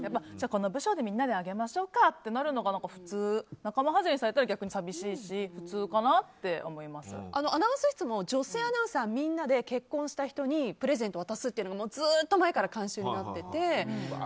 この部署でみんなであげましょうかってなるのが普通で仲間外れにされたらアナウンス室も女性アナウンサーみんなで結婚した人にプレゼント渡すというのがずっと前から慣習になってて。